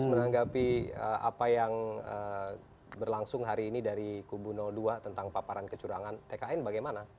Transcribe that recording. menanggapi apa yang berlangsung hari ini dari kubu dua tentang paparan kecurangan tkn bagaimana